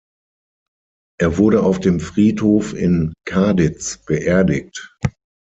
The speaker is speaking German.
Er wurde auf dem Friedhof in Kaditz beerdigt.